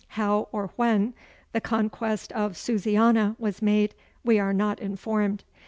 How or when the conquest of Susiana was made, we are not informed.